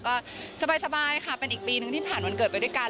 ก็สบายค่ะเป็นอีกปีนึงที่ผ่านวันเกิดไปด้วยกัน